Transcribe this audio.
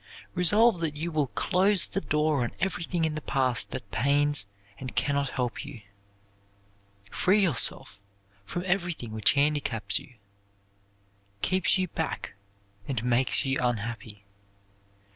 Resolve that you will close the door on everything in the past that pains and can not help you. Free yourself from everything which handicaps you, keeps you back and makes you unhappy.